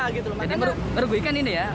jadi merugikan ini ya